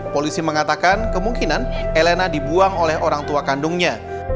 polisi mengatakan kemungkinan elena dibuang oleh orang tua kandungnya